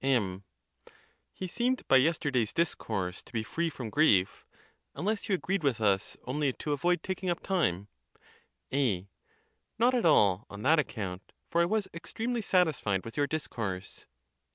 M. He seemed by yesterday's discourse to be free from grief; unless you agreed with us only to avoid taking up time, A, Not at all on that account, for I was extremely satis fied with your discourse.